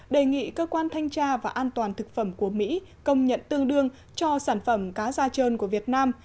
đề nghị cơ quan thanh tra và an toàn thực phẩm của mỹ công nhận tương đương cho sản phẩm cá da trơn của việt nam